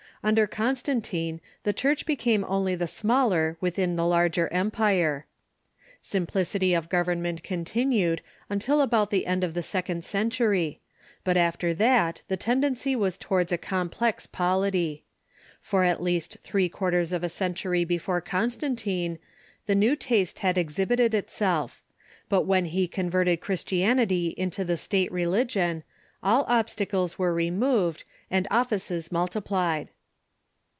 Under Constantine the Cliurch became only the smaller within the larger empire. Simplicity of government continued until about the end of the second century, but after that the ten dency was towards a complex polity. For at least three quar ters of a century before Constantine the new taste had exhib ited itself; but when he converted Christianity into the State religion, all obstacles were removed, and offices multiplied.